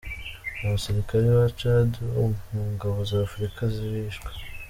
Abasirikare ba Tchad mu ngabo z’Afurika bishwe.